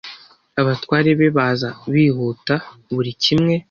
Abatware be baza bihuta Buri kimwe